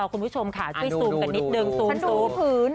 คุณผู้ชมค่ะช่วยซูมกันนิดนึงซูมพื้น